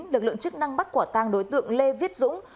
lực lượng chức năng bắt quả tang đối tượng lê viết dũng